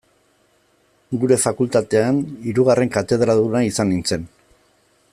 Gure fakultatean, hirugarren katedraduna izan nintzen.